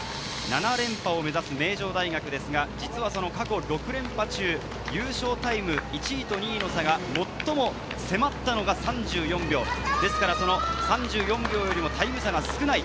７連覇を目指す名城大学ですが、実はその過去６連覇中、優勝タイム、１位と２位の差が最も迫ったのが３４秒ですから、その３４秒よりもタイム差が少ない。